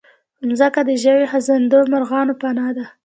مځکه د ژوي، خزنده، مرغانو پناه ده.